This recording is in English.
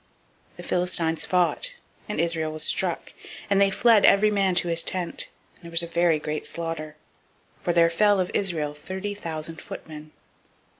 004:010 The Philistines fought, and Israel was struck, and they fled every man to his tent: and there was a very great slaughter; for there fell of Israel thirty thousand footmen.